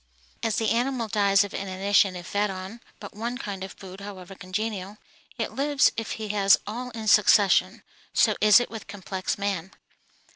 As the animal dies of inanition if fed on but one kind of food, however congenial, yet lives if he has all in succession, so is it with complex man.